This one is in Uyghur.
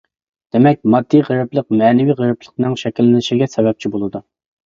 دېمەك، ماددىي غېرىبلىق مەنىۋى غېرىبلىقنىڭ شەكىللىنىشىگە سەۋەبچى بولىدۇ.